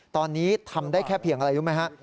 ตอนนี้ทำได้แค่เพียงอะไรรู้ไหมฮะ